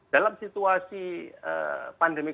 dalam situasi pandemi